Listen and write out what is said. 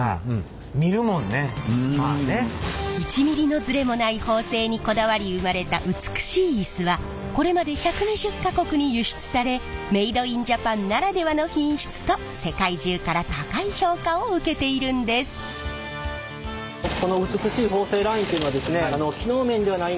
１ｍｍのズレもない縫製にこだわり生まれた美しいイスはこれまで１２０か国に輸出されメイドインジャパンならではの品質と世界中から高い評価を受けているんです。と思ってるんです。